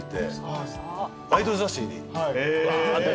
アイドル雑誌にわ。